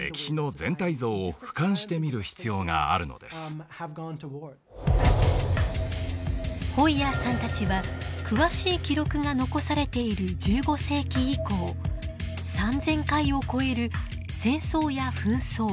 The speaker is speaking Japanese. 中心的メンバーのホイヤーさんたちは詳しい記録が残されている１５世紀以降３，０００回を超える戦争や紛争